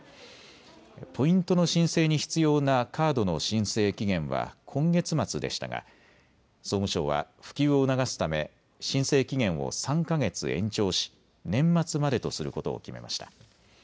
ポイントの申請に必要なカードの申請期限は今月末でしたが総務省は普及を促すため申請期限を３か月延長し年末までとすることを決めました。